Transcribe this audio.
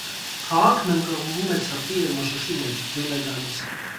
Քաղաքն ընկղմվում է ցրտի և մշուշի մեջ, ձյուն է գալիս։